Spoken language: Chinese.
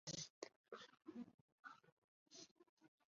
分别居于香港和加拿大。